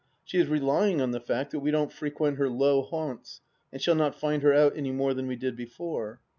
She is relying on the fact that we don't frequent her low haunts, and shall not find her out any more than we did before.